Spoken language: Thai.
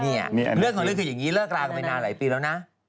เรื่องของเรื่องคืออย่างนี้เลิกรากันไปนานหลายปีแล้วนะ